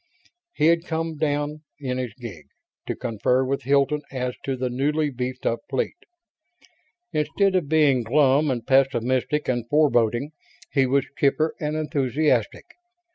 He had come down in his gig, to confer with Hilton as to the newly beefed up fleet. Instead of being glum and pessimistic and foreboding, he was chipper and enthusiastic.